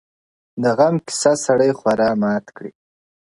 د غم قصه سړی خورا مات کړي,